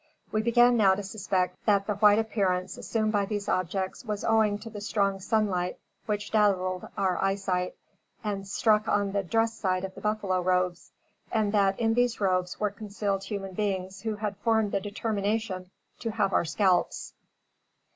We began now to suspect that the white appearance assumed by these objects was owing to the strong sunlight which dazzled our eyesight, and struck on the dressed side of buffalo robes, and that in these robes were concealed human beings who had formed the determination to have our scalps.